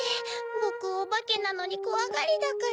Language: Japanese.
ボクオバケなのにこわがりだから。